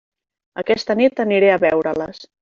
Aquesta nit aniré a veure-les.